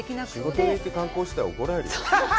仕事で行って、観光してたら怒られるよ。